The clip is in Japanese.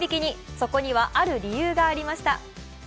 そこには、ある理由がありました。